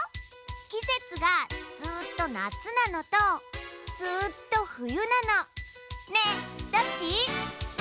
きせつがずっとなつなのとずっとふゆなのねえどっち？